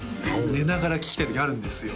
寝ながら聴きたい時あるんですよ